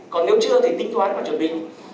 còn nếu chưa thì tính toán và chuẩn bị